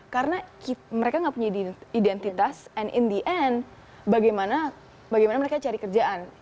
karena mereka nggak punya identitas and in the end bagaimana mereka cari kerjaan